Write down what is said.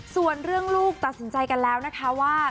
ส่วนเรื่องลูกตัดสินใจกันแล้วนะคะว่า